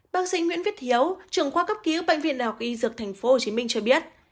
bác sĩ nguyễn viết hiếu trưởng khoa cấp cứu bệnh viện đại học y dược tp hcm cho biết